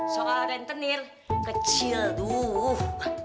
soal rentenir kecil tuh